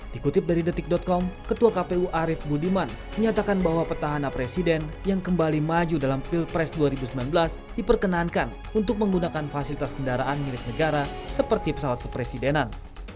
dikutip dari detik com ketua kpu arief budiman menyatakan bahwa petahana presiden yang kembali maju dalam pilpres dua ribu sembilan belas diperkenankan untuk menggunakan fasilitas kendaraan milik negara seperti pesawat kepresidenan